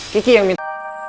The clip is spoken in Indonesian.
kiki yang minta